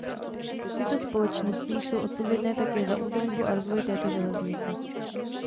Tyto společnosti jsou odpovědné také za údržbu a rozvoj této železnice.